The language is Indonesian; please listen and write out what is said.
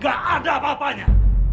gak ada apa apanya